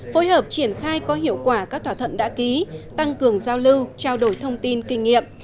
phối hợp triển khai có hiệu quả các thỏa thuận đã ký tăng cường giao lưu trao đổi thông tin kinh nghiệm